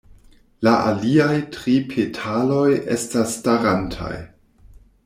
La aliaj tri petaloj estas starantaj.